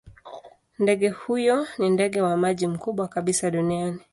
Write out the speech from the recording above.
Ndege huyo ni ndege wa maji mkubwa kabisa duniani.